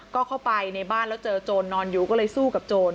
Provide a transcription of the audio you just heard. ก็เข้าไปในบ้านแล้วเจอโจรนอนอยู่ก็เลยสู้กับโจร